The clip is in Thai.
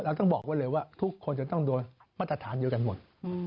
ต้องบอกไว้เลยว่าทุกคนจะต้องโดนมาตรฐานเดียวกันหมด